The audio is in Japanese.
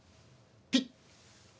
ピッ。